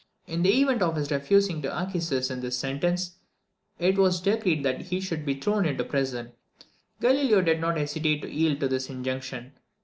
In the event of his refusing to acquiesce in this sentence, it was decreed that he should be thrown into prison. Galileo did not hesitate to yield to this injunction.